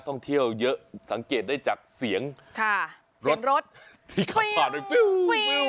ท่องเที่ยวเยอะสังเกตได้จากเสียงค่ะเสียงรถที่เข้ามาเลย